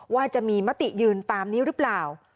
ว่าจะมีมติยืนตามนี้หรือเปล่า